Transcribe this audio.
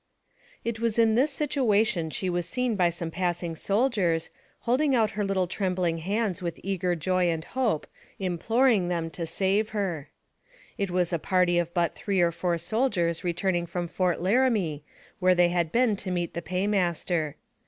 It was in this situation she was seen by some pass ing soldiers, holding out her little trembling hands with eager joy and hope, imploring them to save her. It was a party of but three or four soldiers return ing from Fort Laramie, where they had been to meet the paymaster.